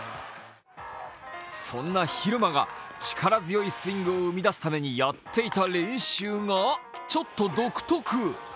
そんな蛭間が力強いスイングを生み出すためにやっていた練習がちょっと独特。